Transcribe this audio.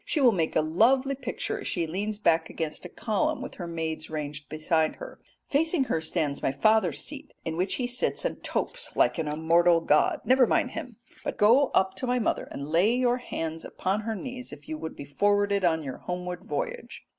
She will make a lovely picture as she leans back against a column with her maids ranged behind her. Facing her stands my father's seat in which he sits and topes like an immortal god. Never mind him, but go up to my mother and lay your hands upon her knees, if you would be forwarded on your homeward voyage."